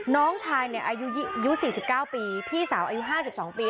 น้องชายอายุ๔๙ปีพี่สาวอายุ๕๒ปี